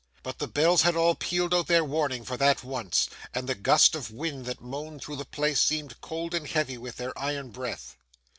But the bells had all pealed out their warning for that once, and the gust of wind that moaned through the place seemed cold and heavy with their iron breath.